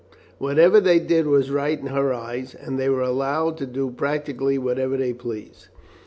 Whatever they did was right in her eyes, and they were allowed to do practically whatever they pleased.